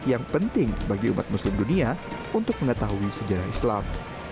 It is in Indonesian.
yang penting bagi umat muslim dunia untuk mengetahui sejarah islam